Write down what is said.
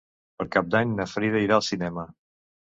Per Cap d'Any na Frida irà al cinema.